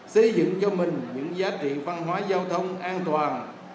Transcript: xây dựng cho mình những giá trị văn hóa giao thông an toàn